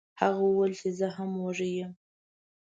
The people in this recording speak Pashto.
هغه وویل چې زه هم وږی یم.